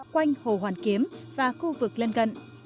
quanh hồ hoàn kiếm và khu vực lân gận